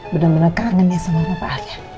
bener bener kangen ya sama papa al ya